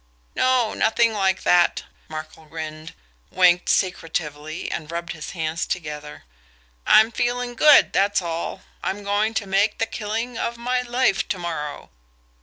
"No, nothing like that!" Markel grinned, winked secretively, and rubbed his hands together. "I'm feeling good, that's all I'm going to make the killing of my life to morrow."